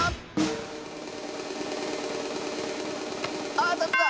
ああたった！